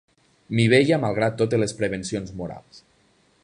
M'hi veia malgrat totes les prevencions morals.